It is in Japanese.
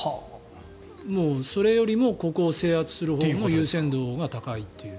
もうそれよりもここを制圧するほうの優先度が高いという。